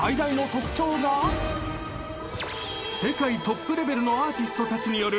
［世界トップレベルのアーティストたちによる］